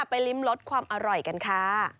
ริมรสความอร่อยกันค่ะ